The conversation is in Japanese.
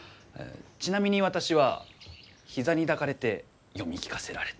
ちなみに私は膝に抱かれて読み聞かせられた。